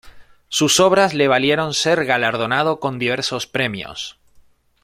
Sus obras le valieron el ser galardonado con diversos premios.